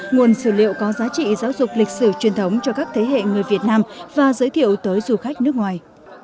nguồn sử liệu có giá trị giáo dục lịch sử truyền thống cho các thế hệ người việt nam và giới thiệu tới du khách nước ngoài